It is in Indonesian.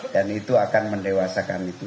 dan itu akan mendewasakan itu